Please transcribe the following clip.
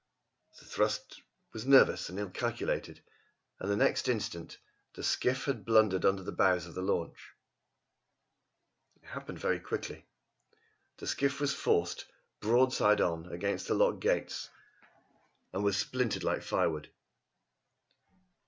The thrust was nervous and ill calculated, and the next instant the skiff had blundered under the bows of the launch. It happened very quickly. The skiff was forced, broadside on, against the lock gates, and was splintered like firewood.